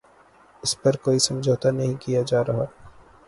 اس پر کوئی سمجھوتہ نہیں کیا جارہا